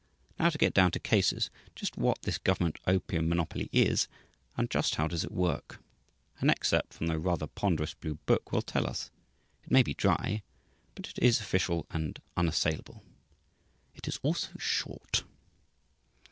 Now, to get down to cases, just what this Government Opium Monopoly is, and just how does it work? An excerpt from the rather ponderous blue book will tell us. It may be dry, but it is official and unassailable. It is also short.